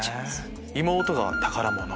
妹が宝物。